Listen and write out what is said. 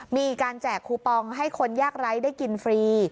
มีการแจกคูปองให้คนยากไร้ได้กินฟรี